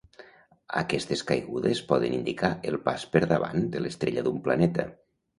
Aquestes caigudes poden indicar el pas per davant de l'estrella d'un planeta.